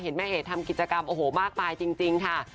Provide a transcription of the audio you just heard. เห็นแม่เอดทำกิจกรรมอ่ะโหโหมากไปจริงค่ะ